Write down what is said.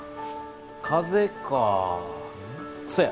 風かぁそや。